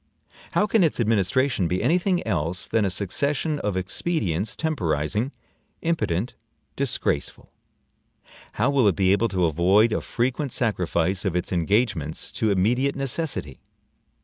How can its administration be any thing else than a succession of expedients temporizing, impotent, disgraceful? How will it be able to avoid a frequent sacrifice of its engagements to immediate necessity?